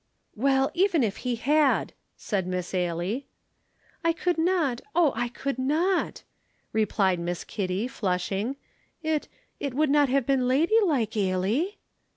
"Well, even if he had!" said Miss Ailie. "I could not, oh, I could not," replied Miss Kitty, flushing; "it it would not have been ladylike, Ailie."